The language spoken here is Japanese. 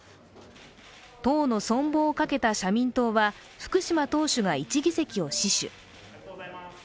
党の存亡をかけた社民党は福島党首が１議席を死守。